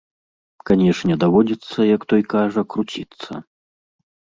Канешне, даводзіцца, як той кажа, круціцца.